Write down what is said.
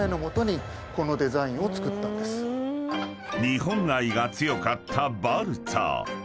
［日本愛が強かったバルツァー］